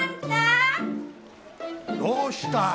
どうした？